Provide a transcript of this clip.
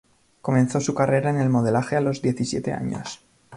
Comenzó su carrera en el modelaje a los diecisiete años.